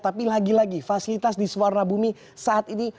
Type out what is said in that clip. tapi lagi lagi fasilitas di suwarnabumi saat ini